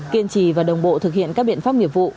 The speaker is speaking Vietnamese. kiên trì và đồng bộ thực hiện các biện pháp nghiệp vụ